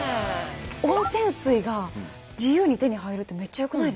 温泉水が自由に手に入るってめっちゃよくないですか？